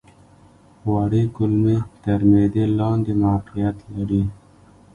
وړې کولمې تر معدې لاندې موقعیت لري.